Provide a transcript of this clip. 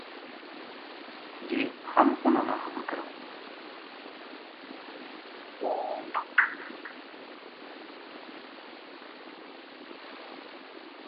جے ہم اُنھاں نا خبر کراں